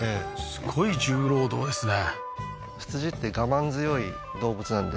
すごい重労働ですね